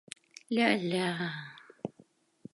— Ля-ля!